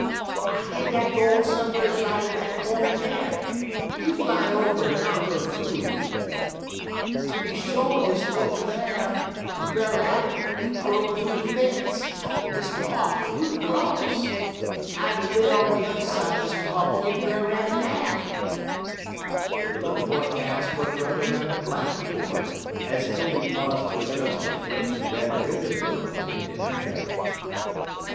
I hid dat gol' some'rs right in dat cornder dar. You fly over en I'll go thoo.' "Tooby sho' dis look fa'r, en Brer Rabbit, he crope thoo' de fence, en Mr. Hawk flew'd 'cross. Time he lit on t'er side, Mr. Hawk year Brer Rabbit laugh." The little boy asked what Brother Rabbit laughed for, as 'Tildy paused to adjust a flaming red ribbon bow pinned in her hair.